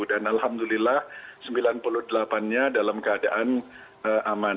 dan alhamdulillah sembilan puluh delapan nya dalam keadaan aman